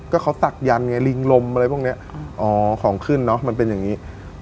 ก็เขาศักดันไงลิงลมอะไรพวกเนี้ยอ๋อของขึ้นเนอะมันเป็นอย่างนี้